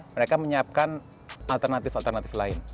mereka menyiapkan alternatif alternatif lain